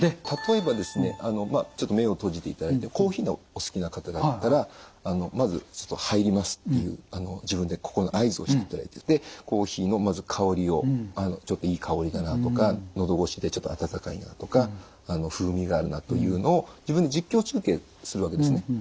例えばですねちょっと目を閉じていただいてコーヒーのお好きな方だったらまず「入ります」っていう自分で心の合図をしていただいてコーヒーのまず香りを「ちょっといい香りだな」とか「のどごしでちょっと温かいな」とか「風味があるな」というのを自分で実況中継するわけですね。